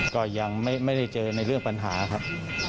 ก็ยังไม่ได้เจอในเรื่องปัญหาครับ